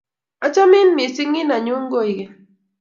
Achamin missing', i nenyun koingeny.